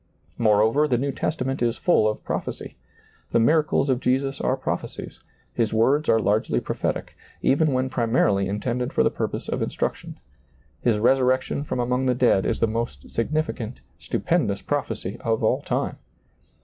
Moreover, the New Testament is full of prophecy. The miracles of Jesus are prophecies, His words are largely pro phetic, even when primarily intended for the pur pose of instruction ; His resurrection from among the dead is the most significant, stupendous proph ecy of all time.